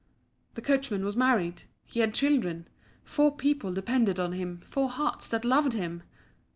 The coachman was married, he had children four people dependent on him, four hearts that loved him!